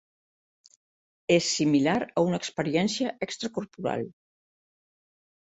És similar a una experiència extracorporal.